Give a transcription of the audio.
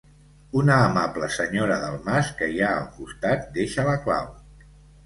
Una amable senyora del mas que hi ha al costat deixa la clau.